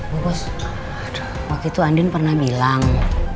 bu bos waktu itu andin pernah bilang